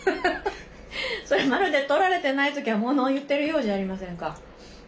それまるで撮られてない時はものを言ってるようじゃありませんか。